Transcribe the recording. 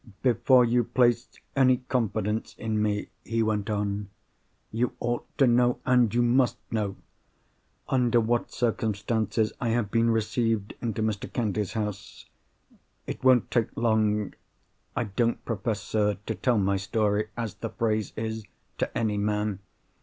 "Before you place any confidence in me," he went on, "you ought to know, and you must know, under what circumstances I have been received into Mr. Candy's house. It won't take long. I don't profess, sir, to tell my story (as the phrase is) to any man.